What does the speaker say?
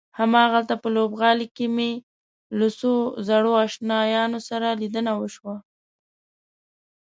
هماغلته په لوبغالي کې مې له څو زړو آشنایانو سره لیدنه وشوه.